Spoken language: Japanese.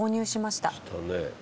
したね。